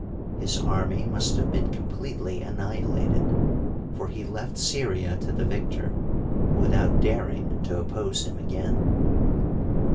His army must have been completely annihilated, for he left Syria to the victor, without daring to oppose him again.